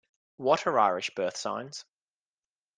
What are Irish Birth Signs?